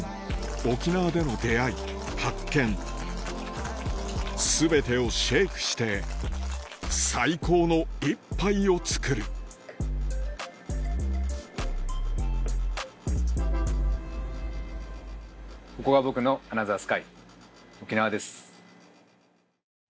沖縄での出会い発見全てをシェイクして最高の一杯を作るここが僕のアナザースカイ沖縄です。